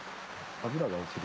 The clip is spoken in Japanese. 脂が落ちる。